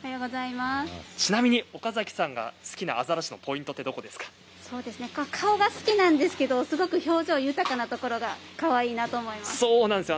ちなみに岡崎さんが好きなアザラシのポイントは顔が好きなんですけれどすごく表情豊かなところがかわいいなと思います。